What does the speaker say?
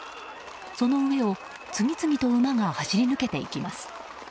その上を次々と馬が走り抜けていきます。